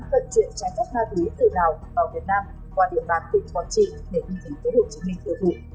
vận chuyển trái phép ma túy từ đào vào việt nam qua địa bàn tỉnh quản trị để hình thức của hồ chí minh thưa thủ